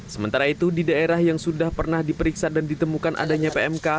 sementara itu di daerah yang sudah pernah diperiksa dan ditemukan adanya pmk